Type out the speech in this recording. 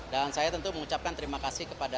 dan saya tentu mengucapkan terima kasih kepada